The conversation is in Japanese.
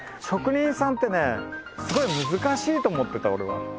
職人さんってねすごい難しいと思ってた俺は。